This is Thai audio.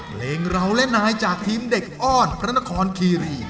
เพลงเราและนายจากทีมเด็กอ้อนพระนครคีรี